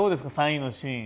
３位のシーン。